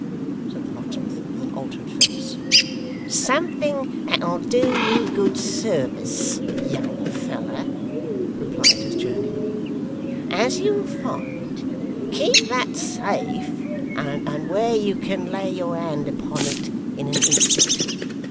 said the locksmith, with an altered face. 'Something that'll do you good service, young feller,' replied his journeyman, 'as you'll find. Keep that safe, and where you can lay your hand upon it in an instant.